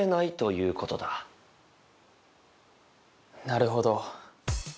なるほど。